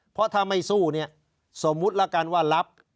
เพราะถ้าไม่สู้เนี่ยสมมุติละกันว่ารับ